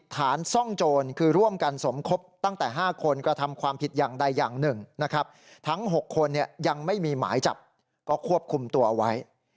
ทั้ง๖คนยังไม่มีหมายจับก็ควบคุมตัวไว้